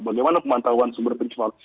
bagaimana pemanahuan sumber pencemar